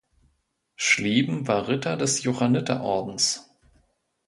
Schlieben war Ritter des Johanniterordens.